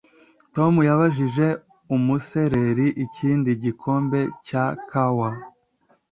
Tom yabajije umusereri ikindi gikombe cya kawa